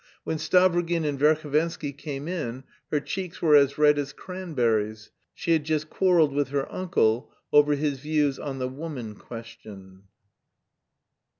When Stavrogin and Verhovensky came in, her cheeks were as red as cranberries: she had just quarrelled with her uncle over his views on the woman question.